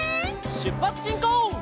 しゅっぱつしんこう！